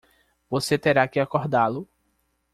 Você terá que acordá-lo.